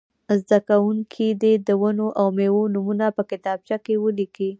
زده کوونکي دې د ونو او مېوو نومونه په کتابچه کې ولیکي.